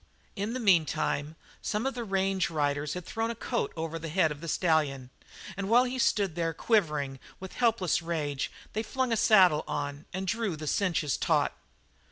In the meantime, some of the range riders had thrown a coat over the head of the stallion, and while he stood quivering with helpless rage they flung a saddle on and drew the cinches taut.